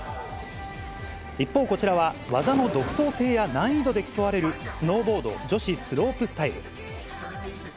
一方、こちらは、技の独創性や難易度で競われるスノーボード女子スロープスタイル。